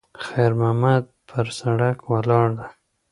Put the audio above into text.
خیر محمد پر سړک ولاړ دی.